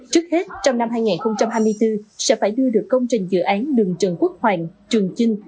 trước hết trong năm hai nghìn hai mươi bốn sẽ phải đưa được công trình dự án đường trần quốc hoàng trường chinh